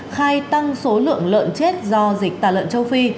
khai tăng số lượng lợn chết do dịch tả lợn châu phi